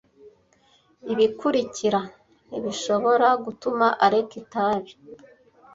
Ibikurikira ntibishoboka gutuma areka itabi.